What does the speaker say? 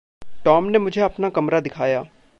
Tom ने मुझे अपना कमरा दिखाया।